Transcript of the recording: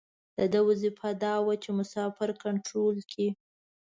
د ده وظیفه دا وه چې مسافر کنترول کړي.